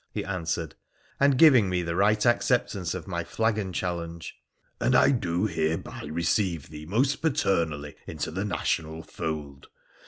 ' he answered, giving me the right acceptance of my flagon challenge, 'and I do hereby receive thee most paternally into the national fold